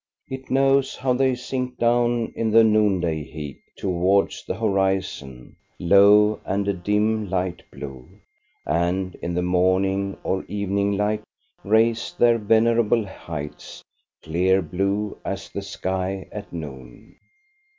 It knows how they sink down in the noon day heat towards the horizon, low and a dim light blue, and in the morning or evening light raise their venerable heights, clear blue as the sky at noon.